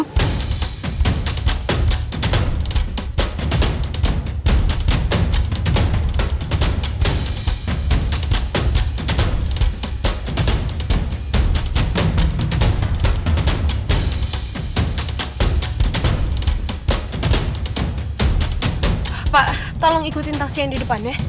pak tolong ikutin taksi yang di depan ya